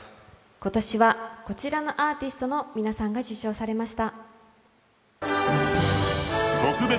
今年はこちらのアーティストの皆さんが受賞されました。